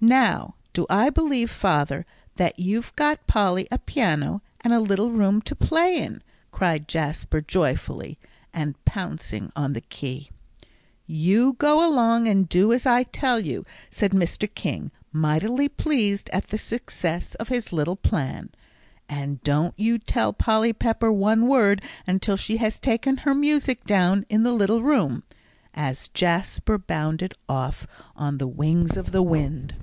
"Now I do believe, father, that you've got Polly a piano and a little room to play in," cried Jasper, joyfully, and pouncing on the key. "You go along and do as I tell you," said Mr. King, mightily pleased at the success of his little plan. "And don't you tell Polly Pepper one word until she has taken her music down in the little room," as Jasper bounded off on the wings of the wind.